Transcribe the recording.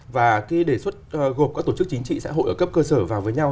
và cái đề xuất gộp các tổ chức chính trị xã hội ở cấp cơ sở vào với nhau